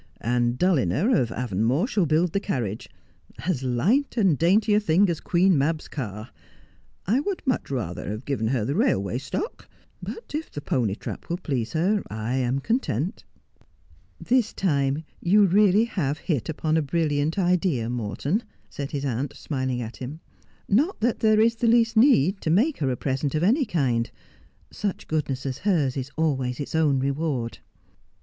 And Dulliner, of Avonmore, shall build the carriage — as light and dainty a thing as Queen Mab's car. I would much rather have given her the railway stock — but if the pony trap will please her, I am content.' ' This time you really have hit upon a brilliant idea, Morton,' said his aunt, smiling at him. ' Not that there is the least need to make her a present of any kind. Such goodness as hers is always its own reward.'